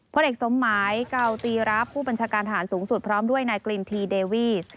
ผลเอกสมหมายเกาตีรับผู้บัญชาการฐานสูงสุดพร้อมด้วยนายกลินทีเดวีส